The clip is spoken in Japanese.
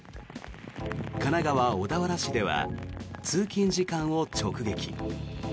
神奈川・小田原市では通勤時間を直撃。